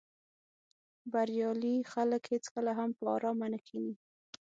بریالي خلک هېڅکله هم په آرامه نه کیني.